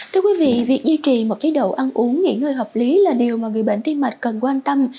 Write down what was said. thưa quý vị việc duy trì một chế độ ăn uống nghỉ ngơi hợp lý là điều mà người bệnh tim mạch cần quan tâm